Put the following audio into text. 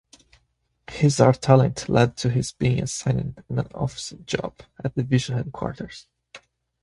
His art talent led to his being assigned an office job at division headquarters.